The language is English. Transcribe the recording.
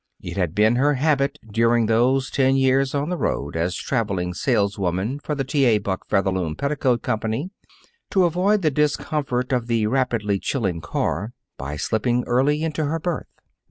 It had been her habit during those ten years on the road as traveling saleswoman for the T. A. Buck Featherloom Petticoat Company, to avoid the discomfort of the rapidly chilling car by slipping early into her berth.